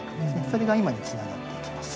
それが今につながっていきます。